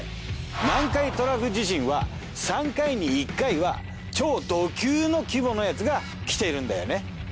南海トラフ地震は３回に１回は超ド級の規模のやつがきてるんだよね。